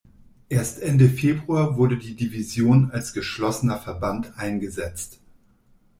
Erst Ende Februar wurde die Division als geschlossener Verband eingesetzt.